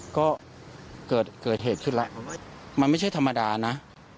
ก็เกิดเหตุขึ้นแล้วมันไม่ใช่ธรรมดานะ